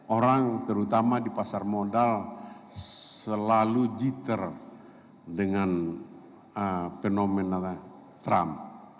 orang terutama di pasar modal selalu jiter dengan fenomena trump